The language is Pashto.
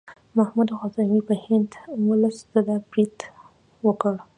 محمود غزنوي په هند اوولس ځله برید وکړ.